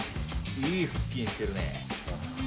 いい腹筋してるね。